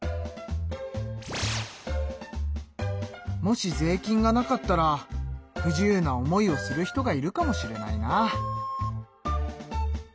もし税金がなかったら不自由な思いをする人がいるかもしれないなあ。